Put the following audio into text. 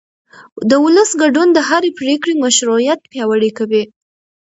د ولس ګډون د هرې پرېکړې مشروعیت پیاوړی کوي